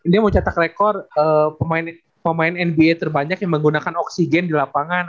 dia mau catak record pemain nba terbanyak yang menggunakan oksigen di lapangan